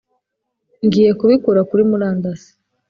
ngiye kubikura kuri murandasi